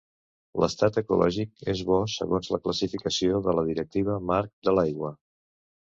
L'estat ecològic és bo segons la classificació de la Directiva Marc de l'Aigua.